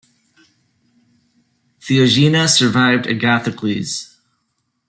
Theoxena survived Agathocles.